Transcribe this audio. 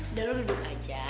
udah lo duduk aja